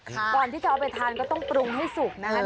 ก่อนที่จะเอาไปทานก็ต้องปรุงให้สุกนะคะ